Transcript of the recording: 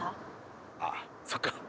ああそっか。